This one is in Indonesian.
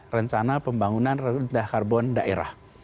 rencana pembangunan rendah karbon daerah